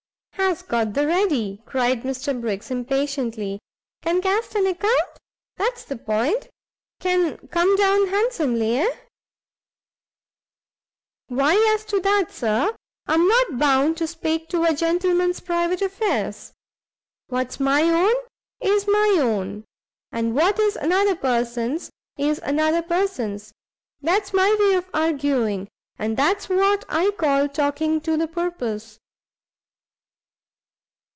"Has got the ready?" cried Mr Briggs, impatiently; "can cast an account? that's the point; can come down handsomely? eh?" "Why as to that, Sir, I'm not bound to speak to a gentleman's private affairs. What's my own, is my own, and what is another person's, is another person's; that's my way of arguing, and that's what I call talking to the purpose."